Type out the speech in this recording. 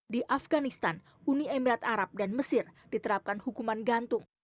di afganistan uni emirat arab dan mesir diterapkan hukuman gantung